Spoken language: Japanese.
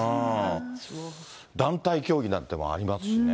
団体競技なんていうのもありますしね。